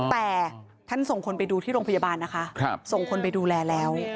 แต่ท่านส่งคนไปดูที่โรงพยาบาลนะคะส่งคนไปดูแลแล้ว